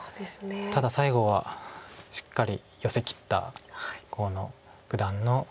ただ最後はしっかりヨセきった河野九段の。